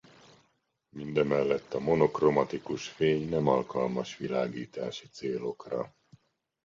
Mindemellett a monokromatikus fény nem alkalmas világítási célokra.